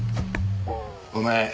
お前